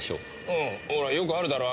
ああほらよくあるだろ。